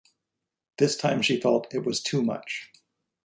This time she felt it was too much.